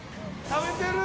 食べてる。